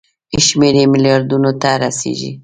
شمېر یې ملیاردونو ته رسیږي.